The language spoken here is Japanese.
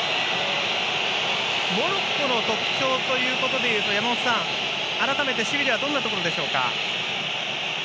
モロッコの特徴ということでいうと、改めて守備ではどんなところでしょうか。